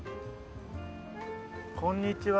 こんにちは。